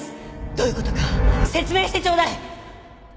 どういう事か説明してちょうだい！